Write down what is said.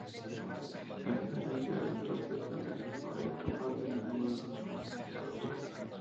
A diferencia de otros panteones, no hay tumbas de ninguno de los homenajeados.